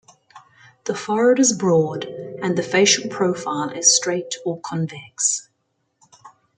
The forehead is broad, and the facial profile is straight or convex.